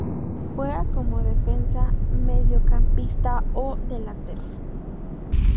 Juega como Defensa, Mediocampista o Delantero.